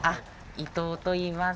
伊藤といいます。